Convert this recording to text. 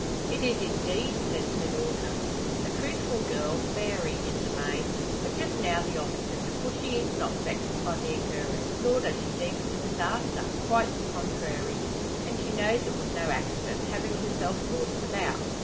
"It is, indeed!" assents her daughter. A truthful girl, Mary, in the main; but just now the opposite. For she is not vexed by the occurrence, nor does she deem it a disaster, quite the contrary. And she knows it was no accident, having herself brought it about.